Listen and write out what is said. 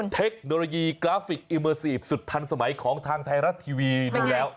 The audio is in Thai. เทคโนโลยีกราฟิกอิเมอร์ซีฟสุดทันสมัยของทางไทยรัฐทีวีดูแล้ว